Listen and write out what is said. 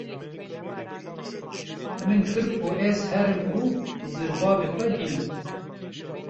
Min kir ko ez herim û zirbavê xwe bînim.